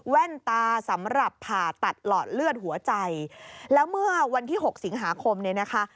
ตาสำหรับผ่าตัดหลอดเลือดหัวใจแล้วเมื่อวันที่หกสิงหาคมเนี่ยนะคะ